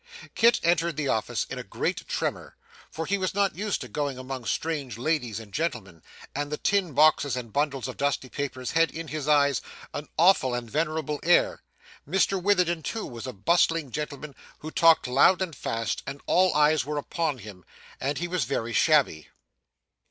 Kit entered the office in a great tremor, for he was not used to going among strange ladies and gentlemen, and the tin boxes and bundles of dusty papers had in his eyes an awful and venerable air. Mr Witherden too was a bustling gentleman who talked loud and fast, and all eyes were upon him, and he was very shabby.